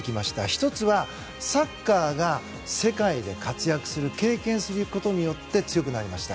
１つは、サッカーが世界で活躍する経験することによって強くなりました。